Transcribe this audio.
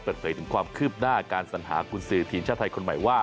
เปิดเผยถึงความคืบหน้าการสัญหากุญสือทีมชาติไทยคนใหม่ว่า